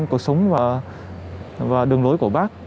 cuộc sống và đường lối của bác